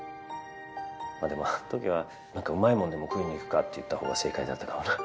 まあでもあの時はなんかうまいもんでも食いに行くかって言ったほうが正解だったかもな。